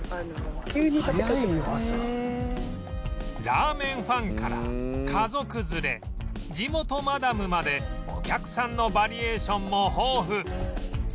ラーメンファンから家族連れ地元マダムまでお客さんのバリエーションも豊富